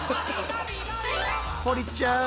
堀ちゃん